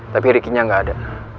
tapi rikinya nggak ada